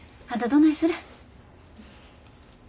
どないする？